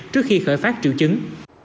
trước khi khởi phát triệu chứng